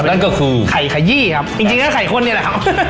นั่นก็คือไข่ขยี้ครับจริงก็ไข่ข้นนี่แหละครับ